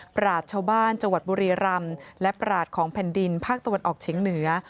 ราชชาวบ้านจังหวัดบุรีรำและปราศของแผ่นดินภาคตะวันออกเฉียงเหนือ